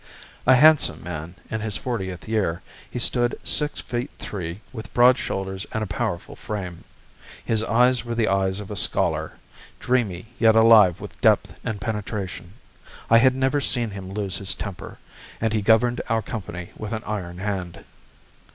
A handsome man in his fortieth year, he stood six feet three with broad shoulders and a powerful frame. His eyes were the eyes of a scholar, dreamy yet alive with depth and penetration. I had never seen him lose his temper, and he governed our company with an iron hand.